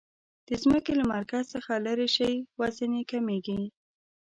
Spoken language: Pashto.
د ځمکې له مرکز څخه لیرې شئ وزن یي کمیږي.